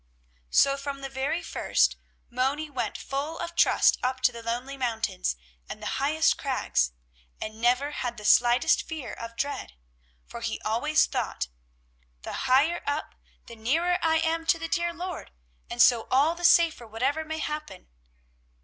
So from the very first Moni went full of trust up to the lonely mountains and the highest crags, and never had the slightest fear of dread, for he always thought: "The higher up, the nearer I am to the dear Lord, and so all the safer whatever may happen."